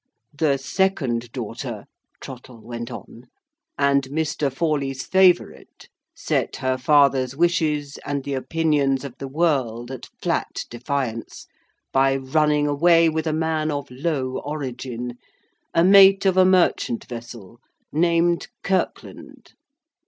"The second daughter," Trottle went on, "and Mr. Forley's favourite, set her father's wishes and the opinions of the world at flat defiance, by running away with a man of low origin—a mate of a merchant vessel, named Kirkland.